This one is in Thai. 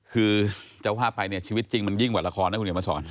คือเจ้าภาพไปเนี่ยชีวิตจริงมันยิ่งกว่าละครนะคุณเดี๋ยวมาสอน